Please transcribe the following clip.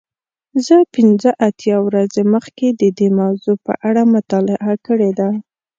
زه پنځه اتیا ورځې مخکې د دې موضوع په اړه مطالعه کړې ده.